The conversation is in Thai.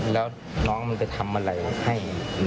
แล้วน้องมันจะทำอะไรให้